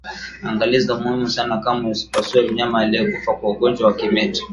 Angalizo muhimu sana kamwe usipasue mnyama aliyekufa kwa ugonjwa wa kimeta